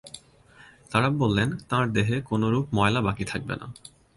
তারা বললেন, তাঁর দেহে কোনরূপ ময়লা বাকী থাকবে না।